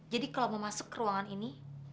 jadi kalau mau masuk ke ruangan ini